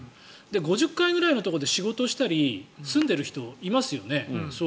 ５０階ぐらいのところで仕事をしたり住んでいる人、いますよね。